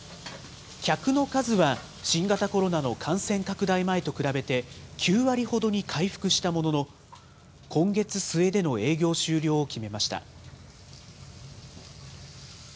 客の数は新型コロナの感染拡大前と比べて、９割ほどに回復したものの、今月末での営業終了を決めました。